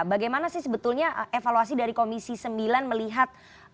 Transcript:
bagaimana sih sebetulnya evaluasi dari komisi sembilan melihat